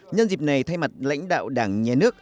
nhân dịp này thay mặt lãnh đạo đảng nhà nước